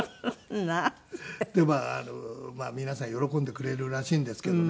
なんで？でまあ皆さん喜んでくれるらしいんですけどね。